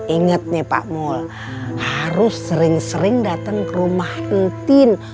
ingat nih pak mul harus sering sering datang ke rumah entin